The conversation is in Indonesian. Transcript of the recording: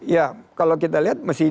ya kalau kita lihat